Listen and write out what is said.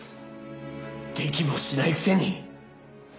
できもしないくせに。